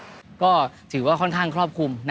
เพราะว่าศักยภาพในการเล่นของเขาปรอฟอร์แมนต์ในลีกเขาดีมาก